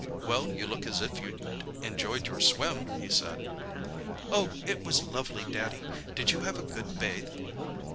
"Well, you look as if you'd enjoyed your swim," he said. "Oh it was lovely, Daddy! Did you have a good bathe?"